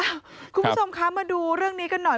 คุณผู้ชมคะมาดูเรื่องนี้กันหน่อย